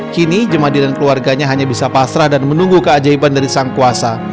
kini jemadi dan keluarganya hanya bisa pasrah dan menunggu keajaiban dari sang kuasa